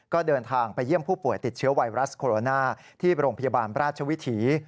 ก็เดินทางไปเยี่ยมผู้ป่วยติดเชื้อไวรัสโคโรนาที่โรงพยาบาลราชวิถี